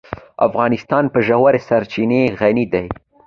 افغانستان په ژورې سرچینې غني دی.